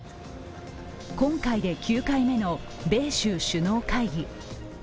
今回で９回目の米州首脳会議。